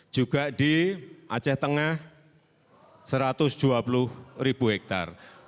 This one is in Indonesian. juga di aceh tengah satu ratus dua puluh ribu hektare